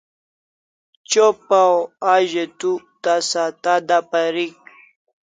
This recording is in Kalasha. Chopa o a ze tu tasa tada parik